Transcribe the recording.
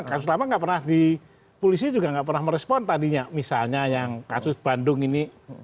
kasus lama nggak pernah di polisi juga nggak pernah merespon tadinya misalnya yang kasus bandung ini